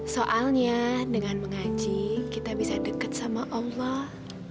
soalnya dengan mengaji kita bisa dekat sama allah